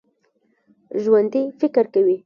ژوندي فکر کوي